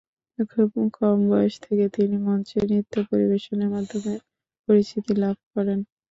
খুব কম বয়স থেকে তিনি মঞ্চে নৃত্য পরিবেশনের মাধ্যমে পরিচিতি লাভ করেন।